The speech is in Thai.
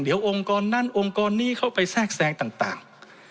เดี๋ยวองค์กรนั้นองค์กรนี้เข้าไปแทรกแทรงต่าง